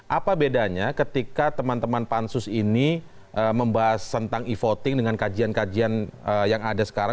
apa bedanya ketika teman teman pansus ini membahas tentang e voting dengan kajian kajian yang ada sekarang